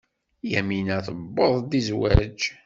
Yamina tuweḍ-d i zzwaj.